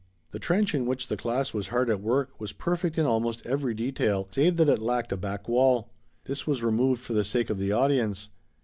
The trench in which the class was hard at work was perfect in almost every detail, save that it lacked a back wall. This was removed for the sake of the audience.